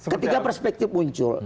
ketika perspektif muncul